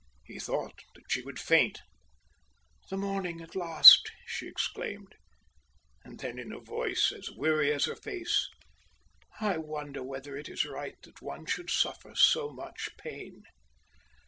He thought that she would faint. "The morning at last!" she exclaimed, and then in a voice as weary as her face, "I wonder whether it is right that one should suffer so much pain."